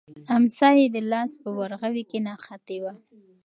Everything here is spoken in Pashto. امسا یې د لاس په ورغوي کې نښتې وه.